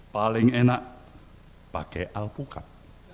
paling enak pakai alpukat